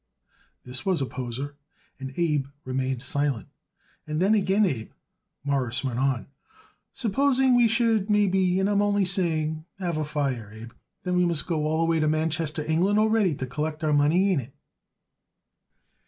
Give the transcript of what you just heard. This was a poser, and Abe remained silent. "And then again, Abe," Morris went on, "supposing we should maybe, I am only saying have a fire, Abe, then we must got to go all the way to Manchester, England, already to collect our money. Ain't it?"